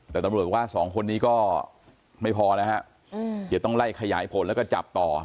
แต่ตำรวจว่าสองคนนี้ก็ไม่พอแล้วฮะอย่าต้องไล่ขยายผลแล้วก็จับต่อ